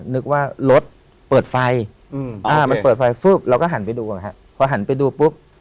นึกว่ารถเปิดไฟอืมอ่ามันเปิดไฟฟืบเราก็หันไปดูพอหันไปดูปุ๊บ